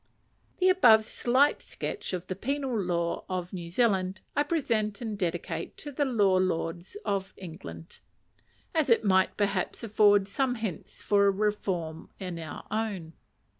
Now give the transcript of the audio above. The above slight sketch of the penal law of New Zealand I present and dedicate to the Law Lords of England; as it might, perhaps, afford some hints for a reform in our own.